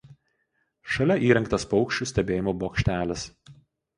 Šalia įrengtas paukščių stebėjimo bokštelis.